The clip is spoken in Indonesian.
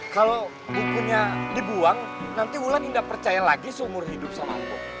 kalo bukunya dibuang nanti ulan indah percaya lagi seumur hidup sama ambo